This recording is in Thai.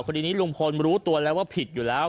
คดีนี้ลุงพลรู้ตัวแล้วว่าผิดอยู่แล้ว